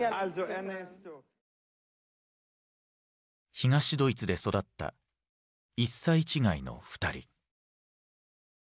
東ドイツで育った１歳違いの２人。